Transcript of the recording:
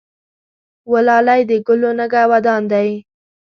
وه لالی د ګلو نګه وان دی.